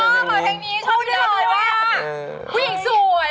ชอบนะเพลงนี้เข้าในร้อยนิดหน่อย